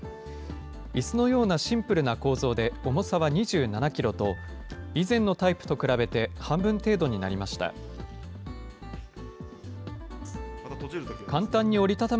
いすのようなシンプルな構造で、重さは２７キロと、以前のタイプと比べて半分程度になりました。